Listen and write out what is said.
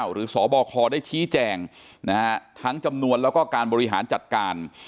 สบคได้ชี้แจงทั้งจำนวนแล้วก็การบริหารจัดการ